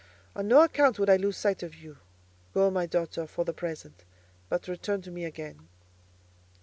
On no account would I lose sight of you. Go, my daughter, for the present; but return to me again."